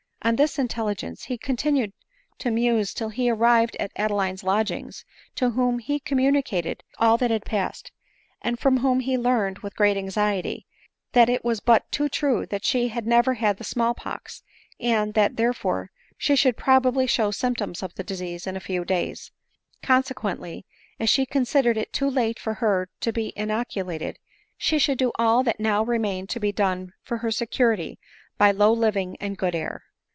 w On this intelligence he continued to muse till he arrived at Adeline's lodgings, to whom he communicated all that had passed ; and from whom he learned, with great anxiety, that it was but too true that she had never had the small pox ; and that, therefore, she should prob ably show symptoms of the disease in a few days ; con sequendy, as she considered it too late for her to be in oculated, she should do all that now remained to be done for her security, by low living and good air.